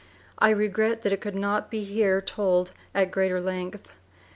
I regret that it could not be told here at greater length.